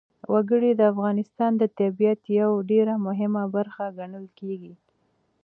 وګړي د افغانستان د طبیعت یوه ډېره مهمه برخه ګڼل کېږي.